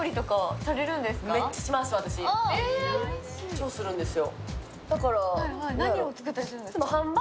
超するんですよ